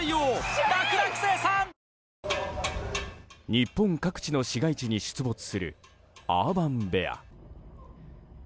日本各地の市街地に出没するアーバン・ベア。